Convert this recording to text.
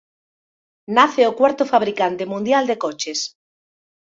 Nace o cuarto fabricante mundial de coches.